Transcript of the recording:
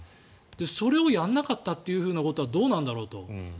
それをやらなかったことはどうなんだろうと。